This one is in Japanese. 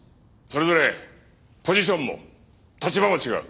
それぞれポジションも立場も違う。